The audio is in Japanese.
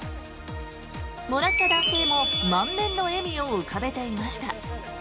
もらった男性も満面の笑みを浮かべていました。